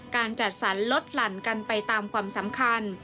การจัดสรรลดหลั่นกันไปตามความสำคัญ